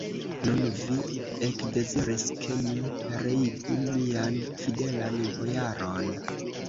Nun vi ekdeziris, ke mi pereigu mian fidelan bojaron!